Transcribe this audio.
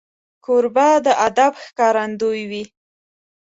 کوربه د ادب ښکارندوی وي.